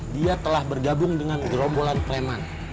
dia telah bergabung dengan gerombolan preman